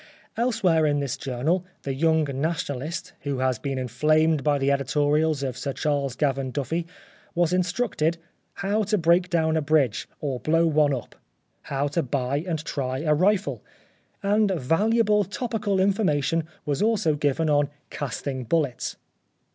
Elsewhere in this journal the young Nationalist, who had been inflamed by the editorials of Sir Charles Gavan Duffy, was instructed " How to Break Down a Bridge, or Blow One Up," " How to buy and try a Rifle" ; and valuable topical information was also given on " Casting Bullets."